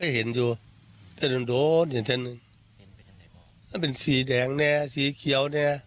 เห็นอยู่แทนเป็นสีแดงแน่สีเขียวแน่